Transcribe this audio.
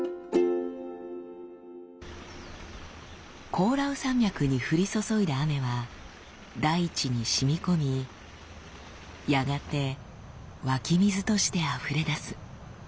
コオラウ山脈に降り注いだ雨は大地にしみこみやがて湧き水としてあふれ出す。